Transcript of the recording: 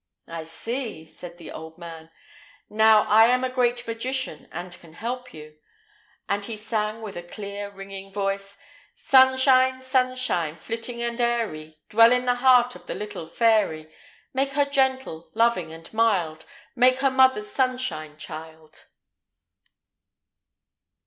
"I see!" said the old man. "Now, I am a great magician, and can help you;" and he sang, with a clear, ringing voice: "Sunshine, sunshine, flitting and airy, Dwell in the heart of the little fairy; Make her gentle, loving, and mild, Make her the mother's sunshine child."